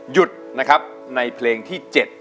หยุดนะครับในเพลงที่๗